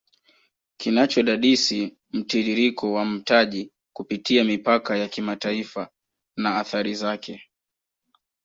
Kinachodadisi mtiririko wa mtaji kupitia mipaka ya kimataifa na athari zaKe